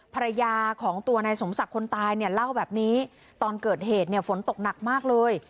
ภรรยาของตัวนายสมศักดิ์คนตายเนี่ยเล่าแบบนี้ตอนเกิดเหตุเนี่ยฝนตกหนักมากเลย